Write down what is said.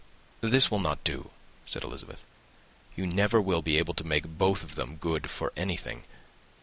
"This will not do," said Elizabeth; "you never will be able to make both of them good for anything.